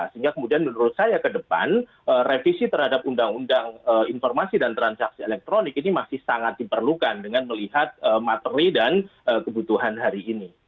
sehingga kemudian menurut saya ke depan revisi terhadap undang undang informasi dan transaksi elektronik ini masih sangat diperlukan dengan melihat materi dan kebutuhan hari ini